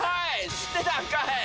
知ってたんかい。